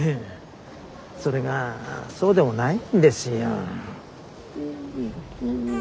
それがそうでもないんですよ。